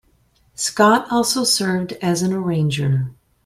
Scott also served as an arranger.